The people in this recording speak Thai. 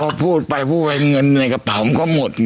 พอพูดไปหัวเงินไว้กระเป๋ามก็หมด